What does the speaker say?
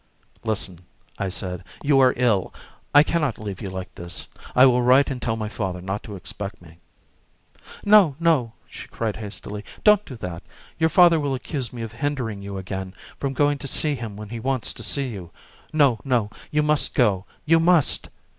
"Listen," I said. "You are ill. I can not leave you like this. I will write and tell my father not to expect me." "No, no," she cried hastily, "don't do that. Your father will accuse me of hindering you again from going to see him when he wants to see you; no, no, you must go, you must!